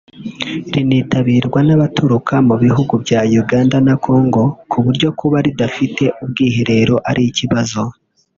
rinitabirwa n’abaturuka mu bihugu bya Uganda na Congo ku buryo kuba ridafite ubwiherero ari ikibazo